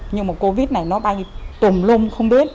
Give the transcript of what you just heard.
nhưng mà covid này nó bay tùm lung không biết